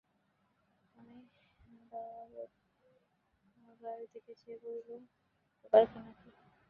আমি দারোগার দিকে চেয়ে বললুম, ব্যাপারখানা কী?